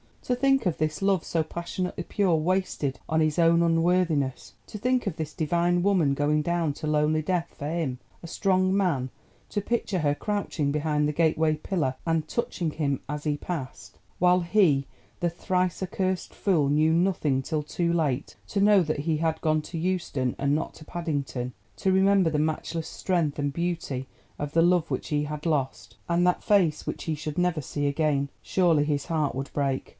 To think of this love, so passionately pure, wasted on his own unworthiness. To think of this divine woman going down to lonely death for him—a strong man; to picture her crouching behind that gateway pillar and touching him as he passed, while he, the thrice accursed fool, knew nothing till too late; to know that he had gone to Euston and not to Paddington; to remember the matchless strength and beauty of the love which he had lost, and that face which he should never see again! Surely his heart would break.